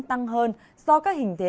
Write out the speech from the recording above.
tăng hơn do các hình thế